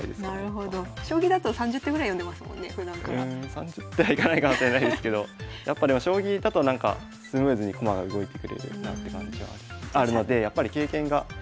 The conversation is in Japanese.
３０手はいかないかもしれないですけどやっぱでも将棋だとなんかスムーズに駒が動いてくれるなって感じはあるのでじゃ